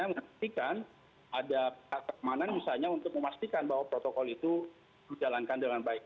memastikan ada keamanan misalnya untuk memastikan bahwa protokol itu dijalankan dengan baik